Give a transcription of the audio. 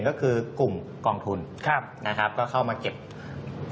ก็คือกลุ่มกองทุนก็เข้ามาเก็บผมทราบ